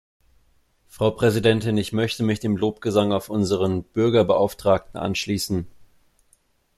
Frau Präsidentin! Ich möchte mich dem Lobgesang auf unseren Bürgerbeauftragten anschließen.